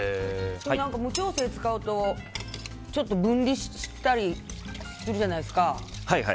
無調整使うとちょっと分離したりするじゃないですか。